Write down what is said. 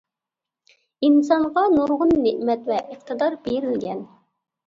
ئىنسانغا نۇرغۇن نېمەت ۋە ئىقتىدار بېرىلگەن.